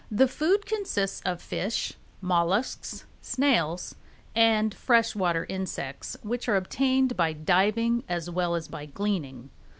The food consists of fish, mollusks, snails, and fresh water insects which are obtained by diving as well as by gleaning.